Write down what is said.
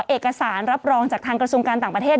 เอกสารรับรองจากทางกระทรวงการต่างประเทศ